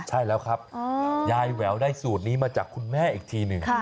ใช่แล้วครับยายแหววได้สูตรนี้มาจากคุณแม่อีกทีหนึ่ง